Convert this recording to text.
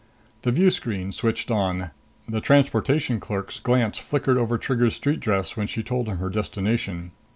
The view screen switched on. The transportation clerk's glance flicked over Trigger's street dress when she told him her destination.